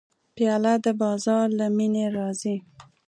پیاله د بازار له مینې راځي.